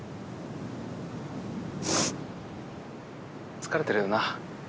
疲れてるよな？